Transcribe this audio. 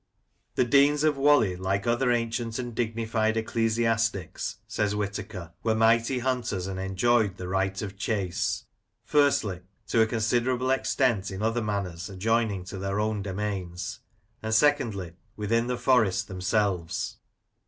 " The Deans of Whalley, like other ancient and dignified ecclesiastics," says Whitaker, "were mighty hunters, and enjoyed the right of chase :— ^firstly, to a considerable extent in other manors adjoining to their own domains; and secondly, within the forests themselves."